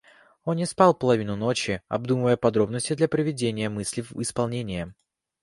Он не спал половину ночи, обдумывая подробности для приведения мысли в исполнение.